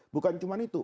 bukan cuma itu